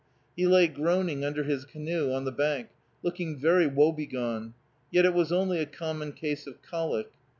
He lay groaning under his canoe on the bank, looking very woebegone, yet it was only a common case of colic.